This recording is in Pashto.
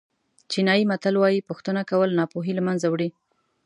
چینایي متل وایي پوښتنه کول ناپوهي له منځه وړي.